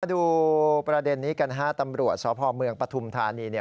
ดูประเด็นนี้กันฮะตำรวจสพเมืองปฐุมธานีเนี่ย